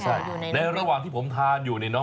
ใช่ในระหว่างที่ผมทานอยู่เนี่ยน้อง